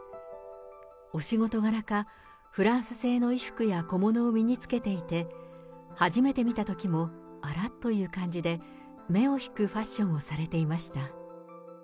お仕事柄か、フランス製の衣服や小物を身に着けていて、初めて見たときも、あらっという感じで、目を引くファッションをされていました。